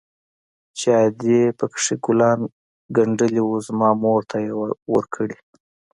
چې ادې پكښې ګلان ګنډلي وو زما مور ته يې وركړي.